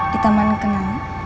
di taman kenang